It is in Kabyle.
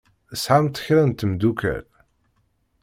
Tesɛamt kra n temddukal?